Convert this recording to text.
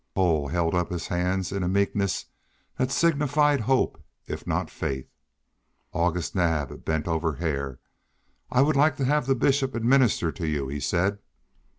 Cole held up his hands in a meekness that signified hope if not faith. August Naab bent over Hare. "I would like to have the Bishop administer to you," he said.